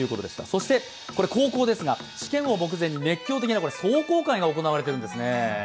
そして、これは高校ですが試験を目前に熱狂的な壮行会が行われてるんですね。